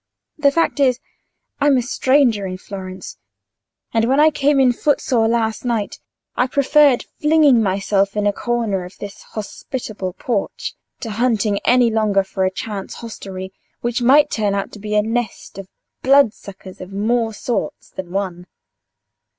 The fact is, I'm a stranger in Florence, and when I came in footsore last night I preferred flinging myself in a corner of this hospitable porch to hunting any longer for a chance hostelry, which might turn out to be a nest of blood suckers of more sorts than one."